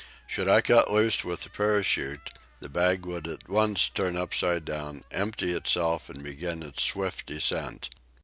Should I cut loose with the parachute, the bag would at once turn upside down, empty itself, and begin its swift descent.